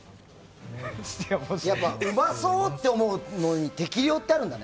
うまそうって思うのに適量ってあるんだね。